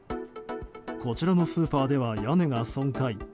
こちらのスーパーでは屋根が損壊。